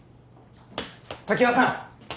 常盤さん！